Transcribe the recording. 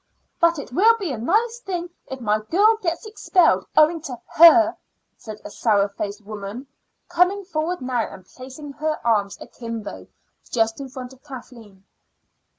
"But it will be a nice thing if my girl gets expelled owing to her," said a sour faced woman, coming forward now and placing her arms akimbo just in front of Kathleen.